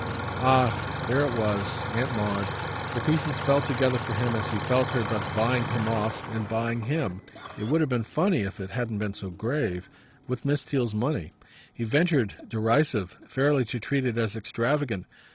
Ah there she was, Aunt Maud! The pieces fell together for him as he felt her thus buying him off, and buying him it would have been funny if it hadn't been so grave with Miss Theale's money. He ventured, derisive, fairly to treat it as extravagant.